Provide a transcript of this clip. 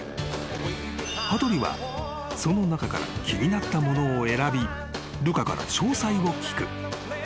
［羽鳥はその中から気になったものを選びルカから詳細を聞く］